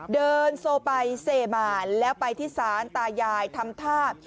เดินโซไปเซมาแล้วไปที่ศาลตายายทำท่า